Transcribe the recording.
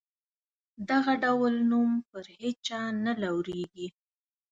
دغه ډول نوم پر هیچا نه لورېږي.